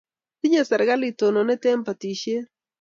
Tinye serikalit tononet eng' patishet